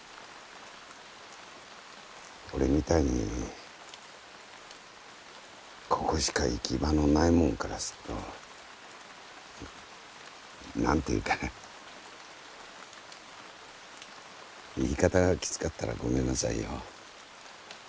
俺みたいにここしか行き場のない者からすっと何て言うか言い方がきつかったらごめんなさいよ。